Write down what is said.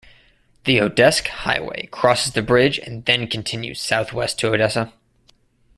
The Odeske Highway crosses the bridge and then continues south-west to Odessa.